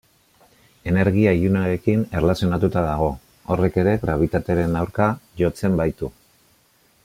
Energia ilunarekin erlazionatuta dago, horrek ere grabitatearen aurka jotzen baitu.